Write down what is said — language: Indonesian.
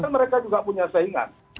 mereka juga punya saingan